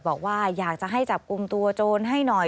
บอกว่าอยากจะให้จับกลุ่มตัวโจรให้หน่อย